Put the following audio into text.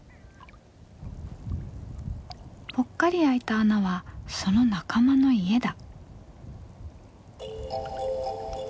ぽっかり開いた穴はその仲間の家だ。